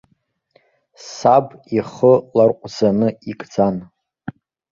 Саб ихы ларҟәӡаны икӡан.